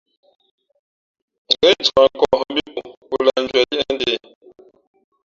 Ngα̌ incāk nkᾱᾱ nhᾱ mbí pō, pō lāh njwēn liēʼ ntē.